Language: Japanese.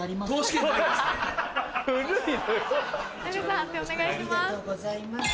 判定お願いします。